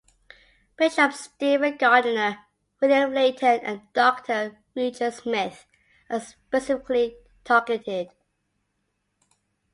Bishop Stephen Gardiner, William Layton, and Doctor Richard Smith are specifically targeted.